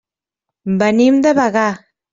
Venim de Bagà.